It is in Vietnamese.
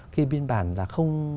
cái biên bản là không